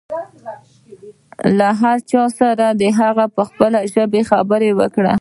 له هر چا سره د هغه په خپله ژبه خبرې وکړئ.